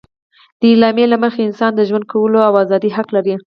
د اعلامیې له مخې انسان د ژوند کولو او ازادي حق لري.